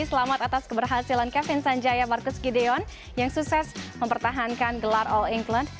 selamat atas keberhasilan kevin sanjaya marcus gideon yang sukses mempertahankan gelar all england